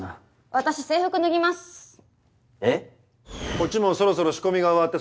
こっちもそろそろ仕込みが終わって